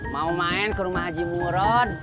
mau main ke rumah haji buron